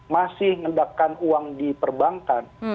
masih ngedakkan uang di perbankan